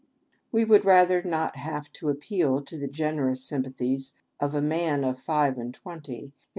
We would rather not have to appeal to the generous sym pathies of a man of five and twenty, in.